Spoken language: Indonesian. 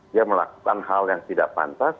dia melakukan hal yang tidak pantas